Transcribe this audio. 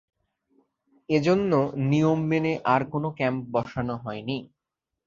এ জন্য নিয়ম মেনে আর কোনো ক্যাম্প বসানো হয়নি।